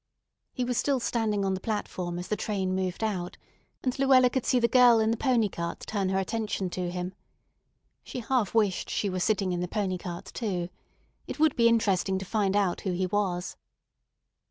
He was still standing on the platform as the train moved out, and Luella could see the girl in the pony cart turn her attention to him. She half wished she were sitting in the pony cart too. It would be interesting to find out who he was.